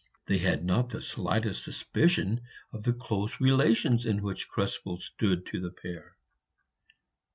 They had not the slightest suspicion of the close relations in which Krespel stood to the pair.